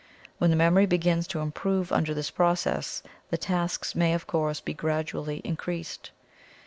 When the memory begins to improve under this process, the tasks may, of course, be gradually increased.